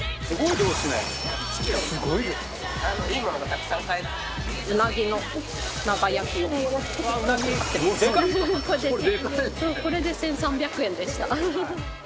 女性：これで１３００円でした。